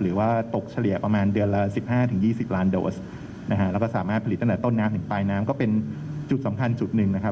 หรือว่าตกเฉลี่ยประมาณเดือนละ๑๕๒๐ล้านโดสนะฮะแล้วก็สามารถผลิตตั้งแต่ต้นน้ำถึงปลายน้ำก็เป็นจุดสำคัญจุดหนึ่งนะครับ